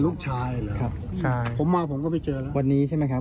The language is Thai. อ๋อลูกชายเหรอครับใช่ผมว่าผมก็ไปเจอแล้ววันนี้ใช่ไหมครับ